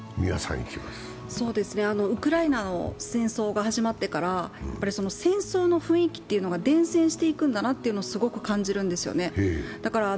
ウクライナの戦争が始まってから戦争の雰囲気が伝染していくんだなというのをすごく感じるんですね。